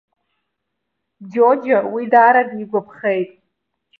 Џьоџьа уи даара дигәаԥхеит.